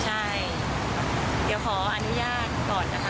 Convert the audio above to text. ใช่เดี๋ยวขออนุญาตก่อนนะคะ